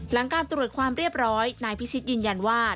หลังการตรวจความเรียบร้อยนายพิชิตยืนยันว่า